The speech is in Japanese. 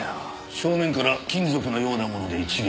正面から金属のようなもので一撃。